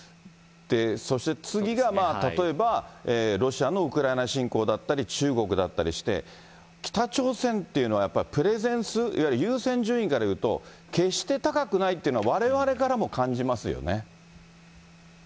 そして次が例えば、ロシアのウクライナ侵攻だったり、中国だったりして、北朝鮮っていうのはやっぱり、プレゼンス、いわゆる優先順位からいうと決して高くないっていうのは、われわれからも感じますよね。